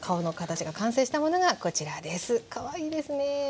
かわいいですね。